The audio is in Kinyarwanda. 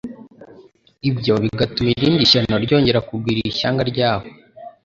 ibyo bigatuma irindi shyano ryongera kugwira ishyanga ryabo.